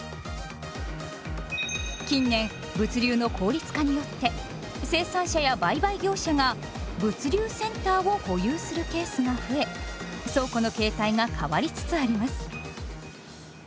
近年物流の効率化によって生産者や売買業者が「物流センター」を保有するケースが増え倉庫の形態が変わりつつあります。